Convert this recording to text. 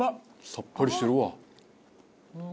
さっぱりしてるわ。